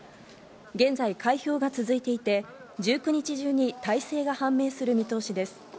現在、開票が続いていて、１９日中に大勢が判明する見通しです。